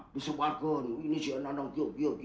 bisa berapa ini ini si anang anang kiuk kiuk